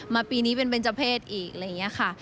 ปีนี้เป็นเบนเจอร์เพศอีกอะไรอย่างนี้ค่ะ